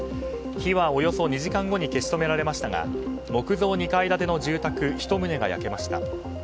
火はおよそ２時間後に消し止められましたが木造２階建ての住宅１棟が焼けました。